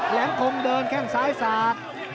แหลมคงเดินแข้งซ้ายสาด